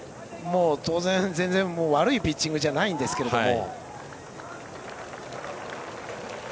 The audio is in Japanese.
全然、悪いピッチングじゃないんですけども。